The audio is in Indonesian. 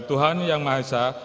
dan kekuasaan tuhan yang mahasiswa